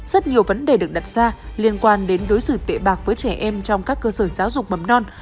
rất nhiều vấn đề được đặt ra liên quan đến đối xử tệ bạc với trẻ em trong các cơ sở giáo dục mầm non